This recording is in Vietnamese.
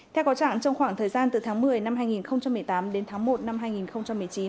theo có trạng trong khoảng thời gian từ tháng một mươi năm hai nghìn một mươi tám đến tháng một năm hai nghìn một mươi chín